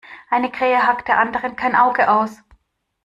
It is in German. Eine Krähe hackt der anderen kein Auge aus.